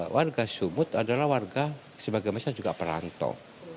warga sumut adalah warga sebagai masyarakat juga perantau